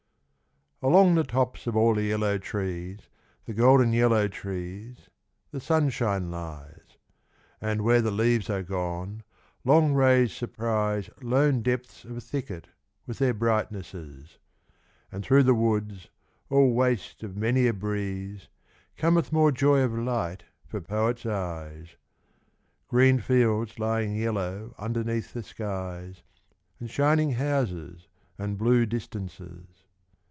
Along the tops of all the yellow trees, The golden yellow trees, the sunshine lies; And where the leaves are gone, long rays surprise Lone depths of thicket with their brightnesses; And through the woods, all waste of many a breeze, Cometh more joy of light for Poet's eyes Green fields lying yellow underneath the skies, And shining houses and blue distances.